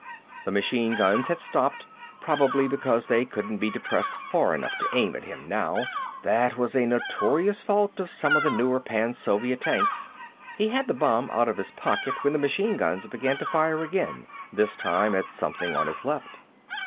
The machine guns had stopped probably because they couldn't be depressed far enough to aim at him, now; that was a notorious fault of some of the newer Pan Soviet tanks. He had the bomb out of his pocket, when the machine guns began firing again, this time at something on his left.